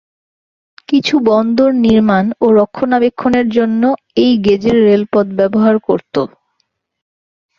কিছু বন্দর নির্মাণ ও রক্ষণাবেক্ষণের জন্য এই গেজের রেলপথ ব্যবহার করত।